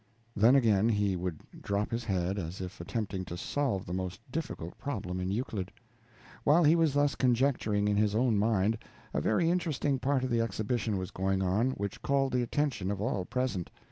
Then, again, he would drop his head, as if attempting to solve the most difficult problem in Euclid. While he was thus conjecturing in his own mind, a very interesting part of the exhibition was going on, which called the attention of all present.